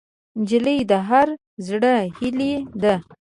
نجلۍ د هر زړه هیلې ده.